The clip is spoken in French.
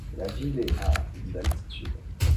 La ville est à d'altitude.